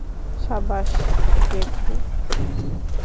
সাবাশ, জ্যেকি!